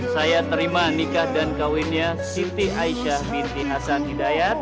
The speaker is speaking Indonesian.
saya terima nikah dan kawinnya siti aisyah binti hasan hidayat